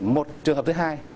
một trường hợp thứ hai